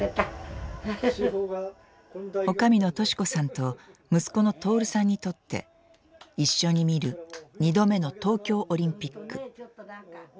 女将の敏子さんと息子の徹さんにとって一緒に見る２度目の東京オリンピック。